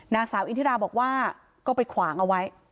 นางสาวอินทิราบอกว่าก็ไปขวางเอาไว้